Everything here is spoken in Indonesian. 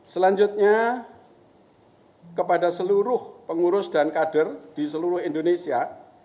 selanjutnya kepada seluruh pengurus dan kader di seluruh indonesia